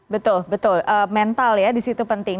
betul betul mental ya di situ penting